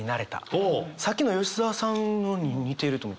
さっきの吉澤さんのに似てると思って。